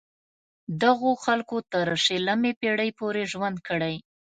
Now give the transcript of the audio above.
دغو خلکو تر شلمې پیړۍ پورې ژوند کړی.